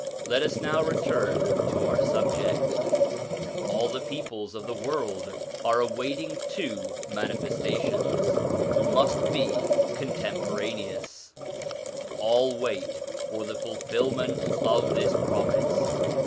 Let us now return to our subject. All the peoples of the world are awaiting two Mani festations, who must be contemporaneous ; all wait for the fulfilment of this promise.